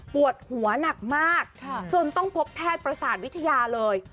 ปวดหัวหนักมากจนต้องพบแพทย์ประสาทวิทยาเลย